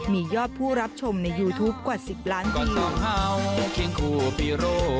มียอดผู้รับชมในยูทูปกว่าสิบล้านตี